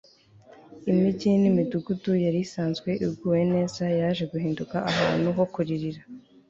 Imijyi nimidugudu yari isanzwe iguwe neza yaje guhinduka ahantu ho kuririra